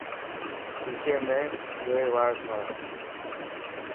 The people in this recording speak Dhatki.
شيشي ۾ جوئي واڙ ٺاهه.